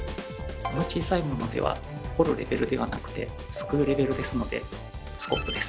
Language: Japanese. この小さいものでは「掘る」レベルではなくて「すくう」レベルですのでスコップです。